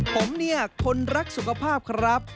ผมเนี่ยคนรักสุขภาพครับ